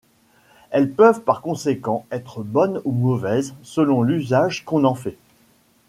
Elles peuvent par conséquent être bonnes ou mauvaises selon l’usage qu’on en fait.